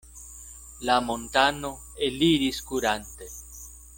La montano eliris kurante.